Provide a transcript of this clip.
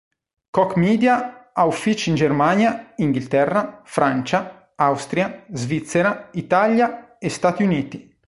Koch Media ha uffici in Germania, Inghilterra, Francia, Austria, Svizzera, Italia e Stati Uniti.